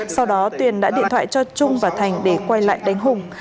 sau đó tuyền đã điện thoại cho trung và thành để quay lại đánh hùng